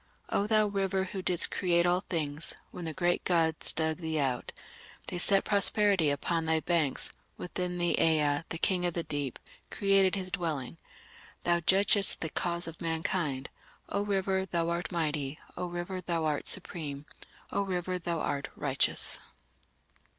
O thou River who didst create all things, When the great gods dug thee out, They set prosperity upon thy banks, Within thee Ea, the King of the Deep, created his dwelling... Thou judgest the cause of mankind! O River, thou art mighty! O River, thou art supreme! O River, thou art righteous!